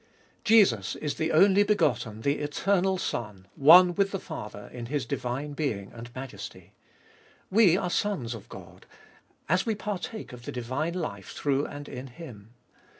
Jesus is the only begotten, the eternal Son, one with the Father in His divine Being and Majesty. We are sons of God, as we partake of the divine life through and in Him.